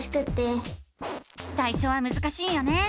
さいしょはむずかしいよね！